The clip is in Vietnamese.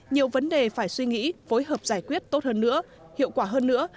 nhiều vấn đề phải suy nghĩ phối hợp giải quyết tốt hơn nữa hiệu quả hơn nữa